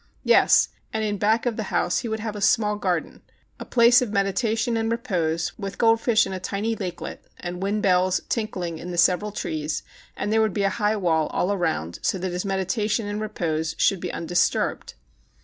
Yes, and back of the house he would have a small garden, a place of medita tion and repose, with goldfish in a tiny lakelet, and wind bells tinkling in the several trees, and there would be a high wall all around so that his meditation and repose should be undis turbed.